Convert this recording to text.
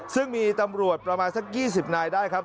ซึ่งมีตำรวจประมาณสัก๒๐นายได้ครับ